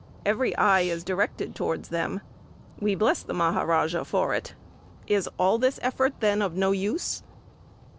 Every eye is directed towards them. We bless the Maharaja for it. Is all this effort then of no use?